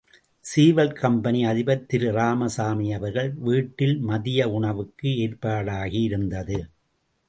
சீவல் company அதிபர் திரு இராமசாமி அவர்கள் வீட்டில் மதிய உணவுக்கு ஏற்பாடாகி இருந்தது.